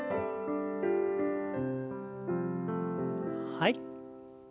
はい。